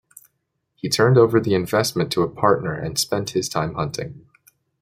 He turned over the investment to a partner and spent his time hunting.